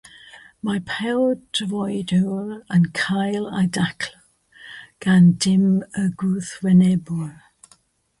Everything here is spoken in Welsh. Mae peldroediwr yn cael ei daclo gan dim y gwrthwynebwyr.